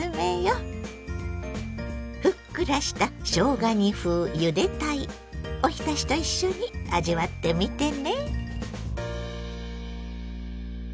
ふっくらしたしょうが煮風ゆで鯛おひたしと一緒に味わってみてね。